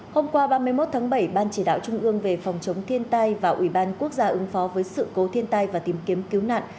hôm qua ba mươi một tháng bảy ban chỉ đạo trung ương về phòng chống thiên tai và ủy ban quốc gia ứng phó với sự cố thiên tai và tìm kiếm cứu nạn